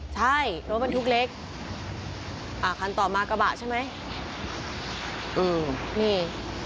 ใช่รถบรรทุกเล็กอ่าคันต่อมากระบะใช่ไหมอืมนี่